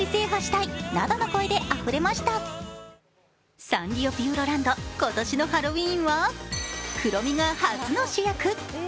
ＳＮＳではサンリオピューロランド、今年のハロウィーンはクロミが初の主役。